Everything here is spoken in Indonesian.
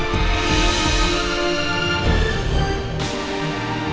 baik kita akan berjalan